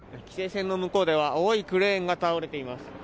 規制線の向こうでは青いクレーンが倒れています。